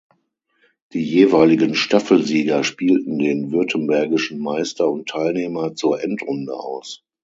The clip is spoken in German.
Die jeweiligen Staffelsieger spielten den württembergischen Meister und Teilnehmer zur Endrunde aus.